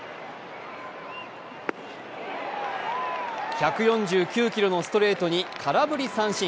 １４９キロのストレートに空振り三振。